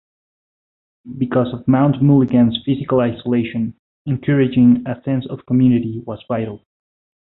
Because of Mount Mulligan's physical isolation, encouraging a sense of community was vital.